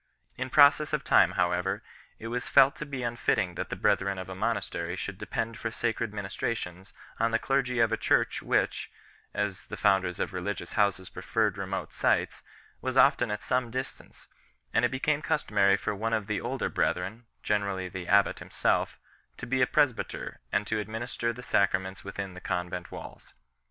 In process of time however it was felt to be unfitting that the brethren of a monastery should depend for sacred ministrations on the clergy of a church which, as the founders of religious houses preferred remote sites, was often at some distance, and it became customary for one of the older brethren, generally the abbat himself, to be a presbyter and to administer the sacraments within the convent walls 3